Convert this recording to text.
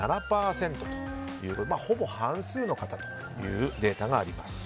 ほぼ半数の方というデータがあります。